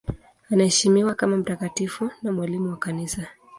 Anaheshimiwa kama mtakatifu na mwalimu wa Kanisa.